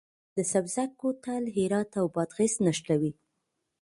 د سبزک کوتل هرات او بادغیس نښلوي